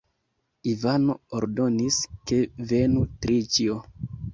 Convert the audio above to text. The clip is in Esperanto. Ivano ordonis, ke venu Triĉjo.